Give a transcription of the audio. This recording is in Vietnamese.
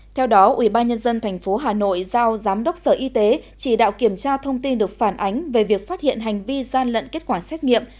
theo đó ubnd tp hà nội giao giám đốc sở y tế chỉ đạo kiểm tra thông tin được phản ánh về việc phát hiện hành vi gian lận kết quả xét nghiệm